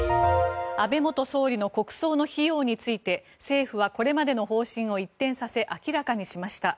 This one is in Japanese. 安倍元総理の国葬の費用について政府はこれまでの方針を一転させ明らかにしました。